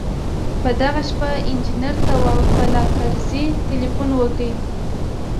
په دغه شپه انجنیر تواب بالاکرزی تیلفون وکړ.